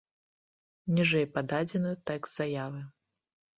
Ніжэй пададзены тэкст заявы.